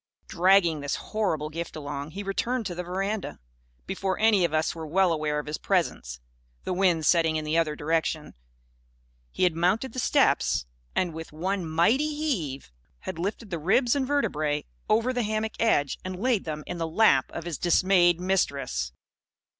Dragging this horrible gift along, he returned to the veranda. Before any of us were well aware of his presence (the wind setting in the other direction) he had mounted the steps and, with one mighty heave, had lifted the ribs and vertebræ over the hammock edge and laid them in the lap of his dismayed Mistress.